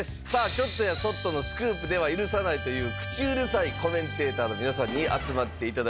ちょっとやそっとのスクープでは許さないという口うるさいコメンテーターの皆さんに集まって頂いております。